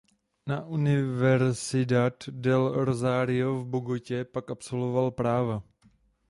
Na "Universidad del Rosario" v Bogotě pak absolvoval práva.